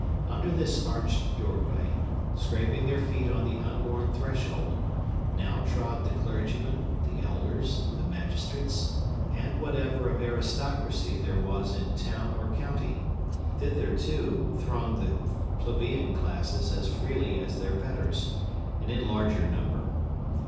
Under this arched doorway, scraping their feet on the unworn threshold, now trod the clergymen, the elders, the magistrates, the deacons, and whatever of aristocracy there was in town or county. Thither, too, thronged the plebeian classes as freely as their betters, and in larger number.